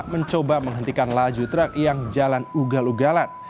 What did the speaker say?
mencoba menghentikan laju truk yang jalan ugal ugalan